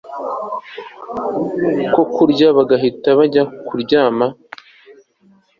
ko kurya bagahita bajya kuryama